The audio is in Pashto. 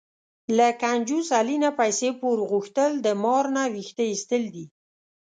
له کنجوس علي نه پیسې پور غوښتل، د مار نه وېښته ایستل دي.